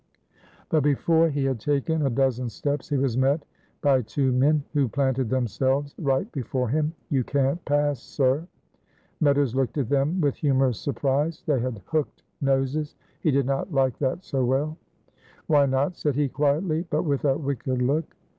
But before he had taken a dozen steps he was met by two men who planted themselves right before him. "You can't pass, sir." Meadows looked at them with humorous surprise. They had hooked noses. He did not like that so well. "Why not?" said he, quietly, but with a wicked look.